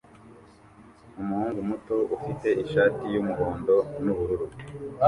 Umuhungu muto ufite ishati yumuhondo nubururu